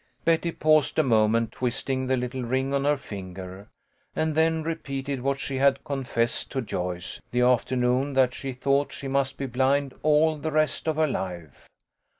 LEFT BEHIND. 123 Betty paused a moment, twisting the little ring on her finger, and then repeated what she had confessed to Joyce, the afternoon that she thought she must be blind all the rest of her life.